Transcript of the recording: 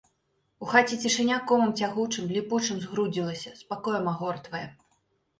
У хаце цішыня комам цягучым, ліпучым згрудзілася, спакоем агортвае.